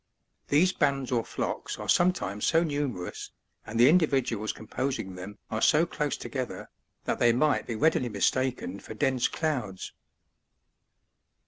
These bands or flocks are sometimes so numerous, and the in dividuals composing them are so close together that they might be readily mistaken for dense clouds.